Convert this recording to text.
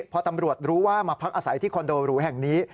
พอตำรวจรู้ว่ามาพักอาศัยที่คอนโดหรูแห่งนี้